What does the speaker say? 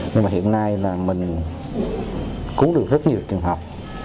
nhưng mà hiện nay là mình cứu được rất nhiều trường hợp